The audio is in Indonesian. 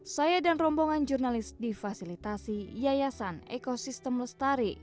saya dan rombongan jurnalis difasilitasi yayasan ekosistem lestari